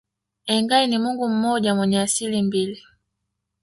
Engai ni Mungu mmoja mwenye asili mbili